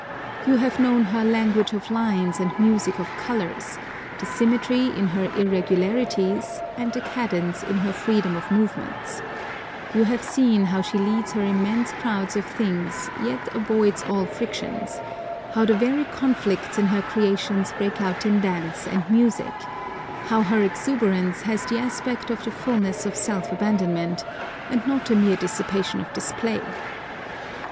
You have known her language of lines and music of colours, the symmetry in her irregularities, and the cadence in her freedom of movements; you have seen how she leads her immense crowds of things yet avoids all frictions; how the very conflicts in her creations break out in dance and music; how her exuberance has the aspect of the fullness of self abandonment, and not a mere dissipation of display.